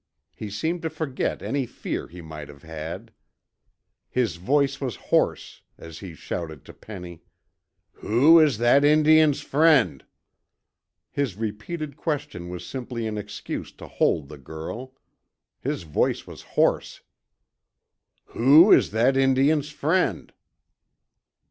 He seemed to forget any fear he might have had. His voice was hoarse as he shouted to Penny, "Who is that Indian's friend?" His repeated question was simply an excuse to hold the girl. His voice was hoarse. "Who is that Indian's friend?"